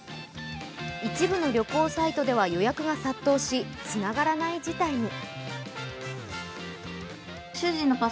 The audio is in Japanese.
一部の旅行サイトでは予約が殺到し、つながらない事態に。